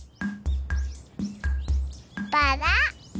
バラ。